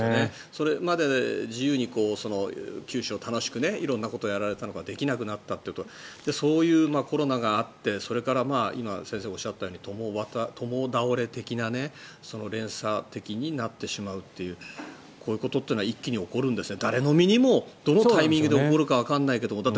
それまで自由に九州で楽しく色んなことをやっていたのができなくなったそういうコロナがあってそれから今、先生がおっしゃったように共倒れ的な連鎖的になってしまうというこういうことというのは一気に起こるんですね。